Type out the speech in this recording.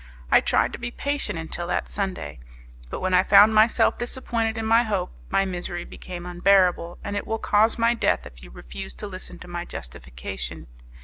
I tried to be patient until that Sunday; but when I found myself disappointed in my hope, my misery became unbearable, and it will cause my death if you refuse to listen to my justification.